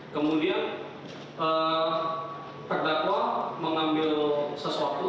kemudian terdakwa mengambil sesuatu